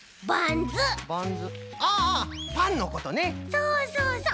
そうそうそう。